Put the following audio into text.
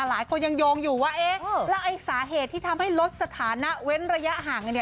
หลายคนยังโยงอยู่ว่าแล้วสาเหตุที่ทำให้ลดสถานะเว้นระยะห่าง